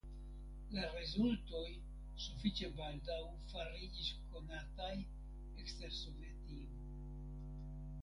La rezultoj sufiĉe baldaŭ fariĝis konataj ekster Sovetio.